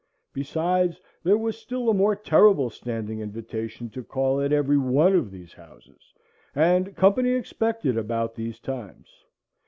Besides, there was a still more terrible standing invitation to call at every one of these houses, and company expected about these times.